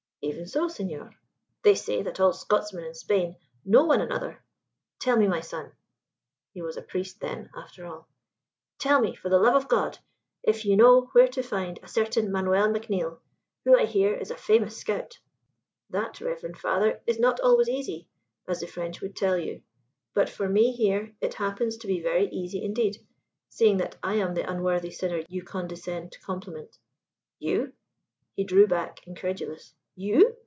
"Even so, senor." "They say that all Scotsmen in Spain know one another. Tell me, my son " he was a priest, then, after all "tell me, for the love of God, if you know where to find a certain Manuel McNeill, who, I hear, is a famous scout." "That, reverend father, is not always easy, as the French would tell you; but for me, here, it happens to be very easy indeed, seeing that I am the unworthy sinner you condescend to compliment." "You?" He drew back, incredulous. "You?"